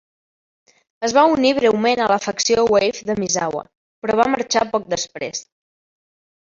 Es va unir breument a la facció "Wave" de Misawa, però va marxar poc després.